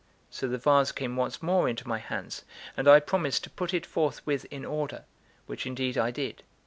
So the vase came once more into my hands, and I promised to put it forthwith in order, which indeed I did.